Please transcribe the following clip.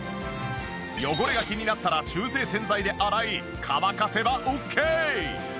汚れが気になったら中性洗剤で洗い乾かせばオッケー！